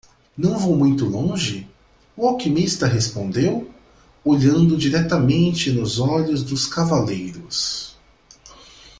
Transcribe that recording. "Não vou muito longe?" o alquimista respondeu? olhando diretamente nos olhos dos cavaleiros.